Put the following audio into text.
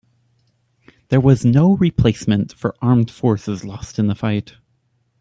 There was no replacement for armed forces lost in the fight.